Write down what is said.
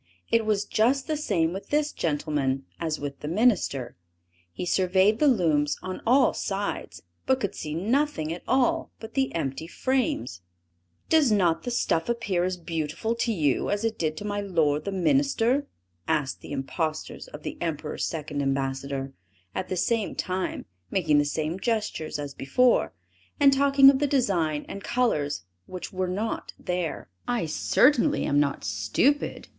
It was just the same with this gentleman as with the minister; he surveyed the looms on all sides, but could see nothing at all but the empty frames. "Does not the stuff appear as beautiful to you, as it did to my lord the minister?" asked the impostors of the Emperor's second ambassador; at the same time making the same gestures as before, and talking of the design and colors which were not there. "I certainly am not stupid!"